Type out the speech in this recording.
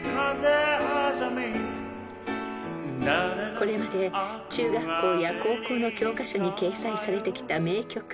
［これまで中学校や高校の教科書に掲載されてきた名曲］